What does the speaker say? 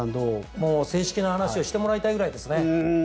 もう正式な話をしてもらいたいぐらいですね。